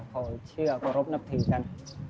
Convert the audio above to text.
เขาเชื่อเคารพนับถือกัน